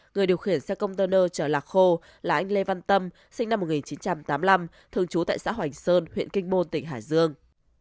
người điều khiển xe công tơ nơ trở lạc khô là anh lê văn tâm sinh năm một nghìn chín trăm tám mươi năm thường trú tại xã hoành sơn huyện kinh bôn tỉnh hải dương